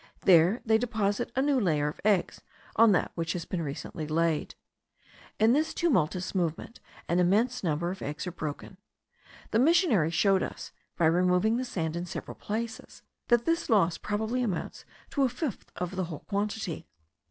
There they deposit a new layer of eggs on that which has been recently laid. In this tumultuous movement an immense number of eggs are broken. The missionary showed us, by removing the sand in several places, that this loss probably amounts to a fifth of the whole quantity.